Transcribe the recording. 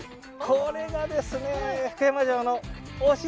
これがですね福山城の推し